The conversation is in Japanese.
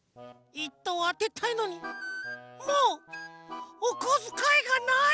１とうあてたいのにもうおこづかいがない！